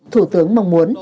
thủ tướng mong muốn